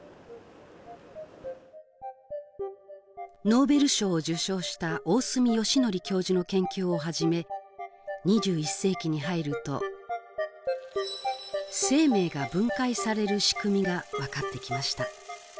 ノーベル賞を受賞した大隈良典教授の研究をはじめ２１世紀に入ると生命が分解される仕組みが分かってきました。